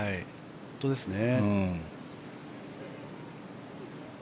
本当ですね。